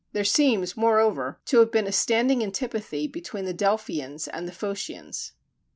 There seems, moreover, to have been a standing antipathy between the Delphians and the Phocians.